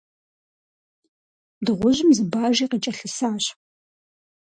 Дыгъужьым зы Бажи къыкӀэлъысащ.